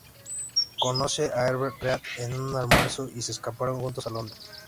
Conoce a Herbert Read en un almuerzo y se escaparon juntos a Londres.